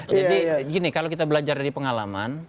jadi gini kalau kita belajar dari pengalaman